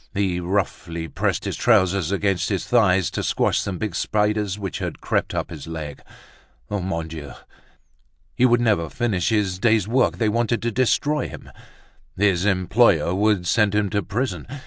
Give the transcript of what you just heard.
He roughly pressed his trousers against his thigh to squash some big spiders which had crept up his leg. Mon Dieu! he would never finish his day's work, they wanted to destroy him, his employer would send him to prison.